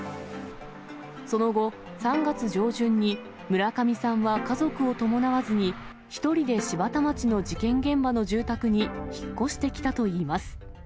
その後、３月上旬に村上さんは、家族を伴わずに、１人で柴田町の事件現場の住宅に引っ越してきたといいます。